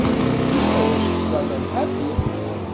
Arrac ttazallen ḥafi.